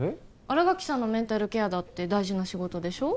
新垣さんのメンタルケアだって大事な仕事でしょ？